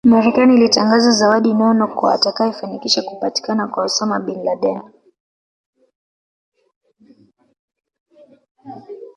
Marekani ilitangaza zawadi nono kwa atakayefanikisha kupatikana kwa Osama Bin Laden